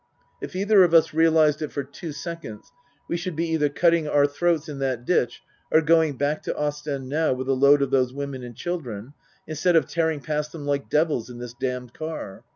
If either of us realized it for two seconds we should be either cutting our throats in that ditch or going back to Ostend now with a load of those women and children, instead of tearing past them like devils in this damned car.